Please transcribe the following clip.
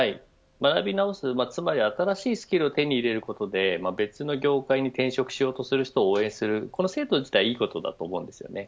学び直す、つまり新しいスキルを手に入れることで別の業界に転職しようとする人を応援するこの制度自体はいいことです。